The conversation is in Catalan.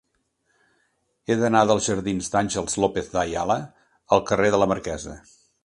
He d'anar dels jardins d'Ángeles López de Ayala al carrer de la Marquesa.